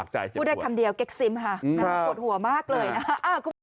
พูดแค่คำเดียวเก็กซิมค่ะกดหัวมากเลยนะครับ